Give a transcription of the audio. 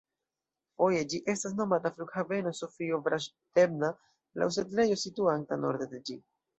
Foje ĝi estas nomata flughaveno Sofio-Vraĵdebna, laŭ setlejo situanta norde de ĝi.